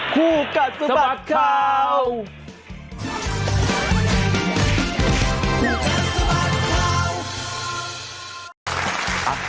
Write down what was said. คู่กันสุดบัตรข่าว